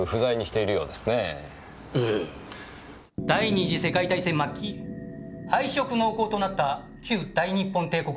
第二次世界大戦末期敗色濃厚となった旧大日本帝国陸軍。